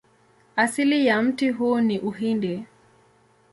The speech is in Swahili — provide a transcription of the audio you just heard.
Asili ya mti huu ni Uhindi.